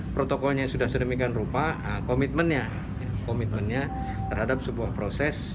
protokolnya sudah sedemikian rupa komitmennya komitmennya terhadap sebuah proses